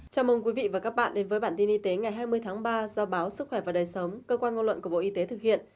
chào mừng quý vị và các bạn đến với bản tin y tế ngày hai mươi tháng ba do báo sức khỏe và đời sống cơ quan ngôn luận của bộ y tế thực hiện